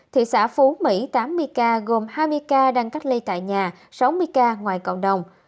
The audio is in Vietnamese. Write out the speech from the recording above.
thị xã phú mỹ tám mươi ca gồm hai mươi ca đang cách ly tại nhà sáu mươi ca ngoài cộng đồng